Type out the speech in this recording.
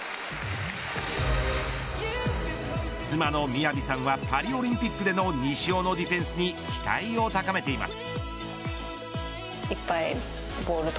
妻の雅さんはパリオリンピックでの西尾のディフェンスに期待を高めています。